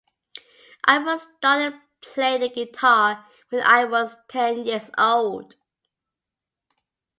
I first started playing the guitar when I was ten years old.